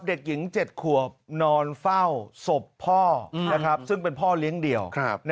เด็กหญิง๗ขวบนอนเฝ้าศพพ่อซึ่งเป็นพ่อเลี้ยงเดี่ยว